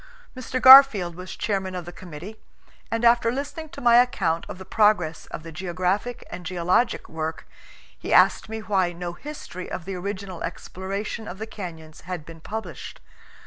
Mr. Garfield was chairman of the committee, and after listening to my IV PREFACE. account of the progress of the geographic and geologic work, he asked me why no history of the original exploration of the canyons had been published.